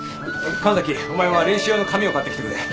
神崎お前は練習用の紙を買ってきてくれ。